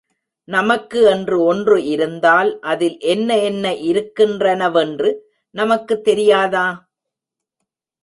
நமக்கு என்று ஒன்று இருந்தால் அதில் என்ன என்ன இருக்கின்றனவென்று நமக்கு தெரியாதா?